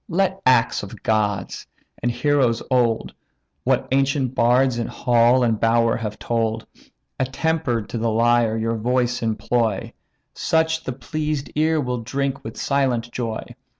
let acts of gods, and heroes old, What ancient bards in hall and bower have told, Attemper'd to the lyre, your voice employ; Such the pleased ear will drink with silent joy.